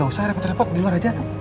gak usah repot repot di luar aja atem